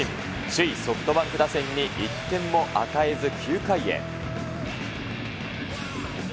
首位ソフトバンク打線に１点も与えず、９回へ。